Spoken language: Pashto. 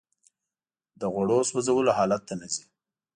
د غوړو سوځولو حالت ته نه ځي